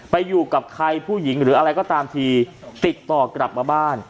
อยู่กับใครผู้หญิงหรืออะไรก็ตามทีติดต่อกลับมาบ้าน